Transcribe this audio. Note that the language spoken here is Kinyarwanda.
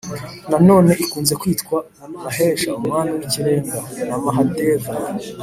nanone ikunze kwitwa mahesha (umwami w’ikirenga) na mahadeva